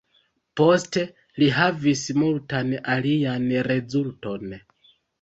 Poste li havis multan alian rezulton.